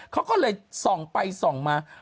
เขาก็เลยส่องไปส่องมา